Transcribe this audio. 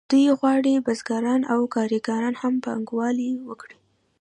دوی غواړي بزګران او کارګران هم پانګوالي وکړي